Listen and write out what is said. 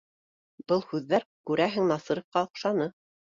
Был һүҙҙәр, күрәһең, Насировҡа оҡшаны